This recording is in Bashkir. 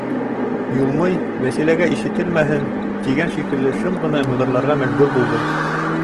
Юлмый, Вәсиләгә ишетелмәһен, тигән шикелле, шым ғына мығырларға мәжбүр булды: